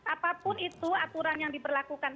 apapun itu aturan yang diberlakukan